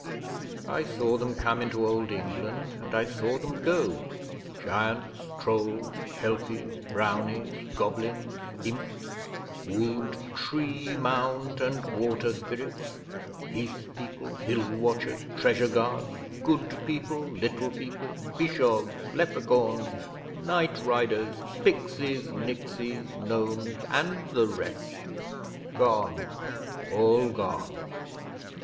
I saw them come into Old England and I saw them go. Giants, trolls, kelpies, brownies, goblins, imps; wood, tree, mound, and water spirits; heath people, hill watchers, treasure guards, good people, little people, pishogues, leprechauns, night riders, pixies, nixies, gnomes, and the rest gone, all gone!